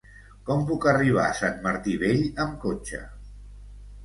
Com puc arribar a Sant Martí Vell amb cotxe?